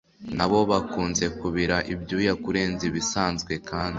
na bo bakunze kubira ibyuya kurenza ibisanzwe kandi